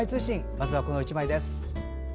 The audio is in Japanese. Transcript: まずは、この１枚です。